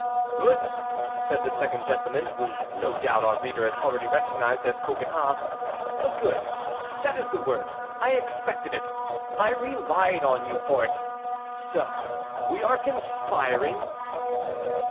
"Good!" said the second gentleman, whom no doubt our reader has already recognized as Coconnas; "good! that is the word! I expected it! I relied on you for it! So we are conspiring?"